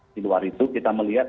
di luar itu kita melihat